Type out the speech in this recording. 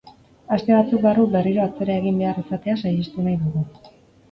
Aste batzuk barru berriro atzera egin behar izatea saihestu nahi dugu.